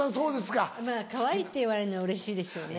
かわいいって言われるのはうれしいでしょうね。